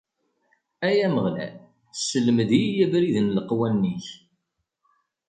Ay Ameɣlal, sselmed-iyi abrid n leqwanen-ik.